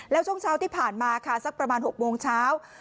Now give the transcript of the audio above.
แล้วช่วงเช้าที่ผ่านมาค่ะสักประมาณ๖โมงเช้า